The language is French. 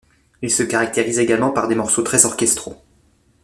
Il se caractérise également par des morceaux très orchestraux.